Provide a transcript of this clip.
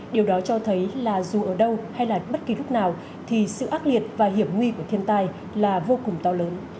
điều đó cho thấy là dù ở đâu hay là bất kỳ lúc nào thì sự ác liệt và hiểm nguy của thiên tai là vô cùng to lớn